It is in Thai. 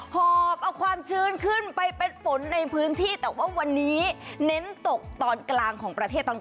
หอบเอาความชื้นขึ้นไปเป็นฝนในพื้นที่แต่ว่าวันนี้เน้นตกตอนกลางของประเทศตอนกลาง